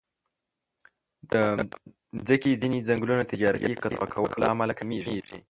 د مځکې ځینې ځنګلونه د تجارتي قطع کولو له امله کمېږي.